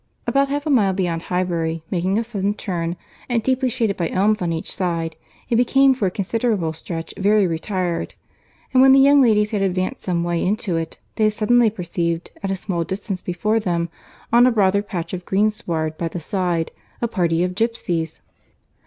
—About half a mile beyond Highbury, making a sudden turn, and deeply shaded by elms on each side, it became for a considerable stretch very retired; and when the young ladies had advanced some way into it, they had suddenly perceived at a small distance before them, on a broader patch of greensward by the side, a party of gipsies.